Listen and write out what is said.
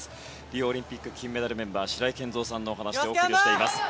リオオリンピック金メダルメンバー白井健三さんの解説でお送りしています。